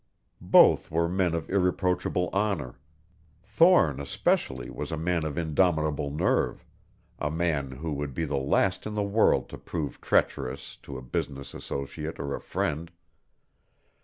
Both were men of irreproachable honor. Thorne, especially, was a man of indomitable nerve a man who would be the last in the world to prove treacherous to a business associate or a friend.